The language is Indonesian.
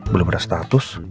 belum ada status